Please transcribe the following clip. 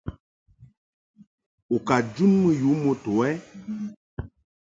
U ka jun mɨ yu moto ɛ ?